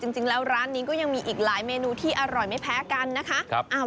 จริงแล้วร้านนี้ก็ยังมีอีกหลายเมนูที่อร่อยไม่แพ้กันนะคะ